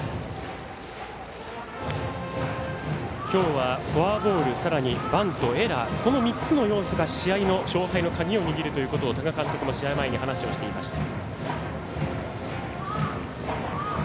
今日は、フォアボールさらにバント、エラーこの３つの要素が試合の勝敗の鍵を握るということを多賀監督も試合前に話していました。